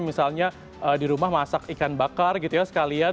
misalnya di rumah masak ikan bakar gitu ya sekalian